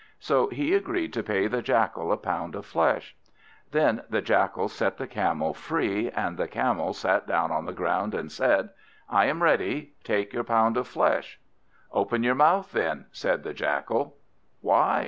So he agreed to pay the Jackal a pound of flesh. Then the Jackal set the Camel free, and the Camel sat down on the ground and said "I am ready; take your pound of flesh." "Open your mouth, then," said the Jackal. "Why?"